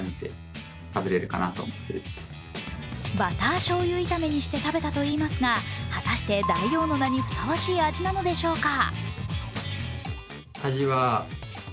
バターしょうゆ炒めにして食べたといいますが果たして大王の名にふさわしい味なのでしょうか？